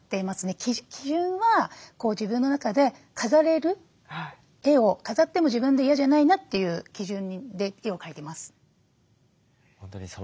基準は自分の中で飾れる絵を飾っても自分で嫌じゃないなっていう基準で絵を描いてます。